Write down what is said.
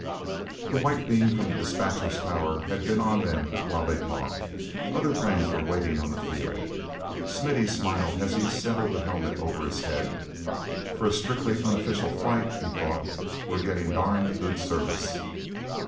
The white beam from the despatcher's tower had been on them while they talked. Other planes were waiting on the field. Smithy smiled as he settled the helmet over his head. "For a strictly unofficial flight," he thought, "we're getting darned good service."